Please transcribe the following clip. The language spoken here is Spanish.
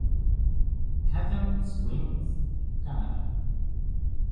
Catharine Springs, Canadá.